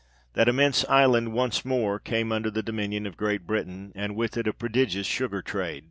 That immense island once more 2 came under the dominion of Great Britain, and with it a prodigious sugar trade.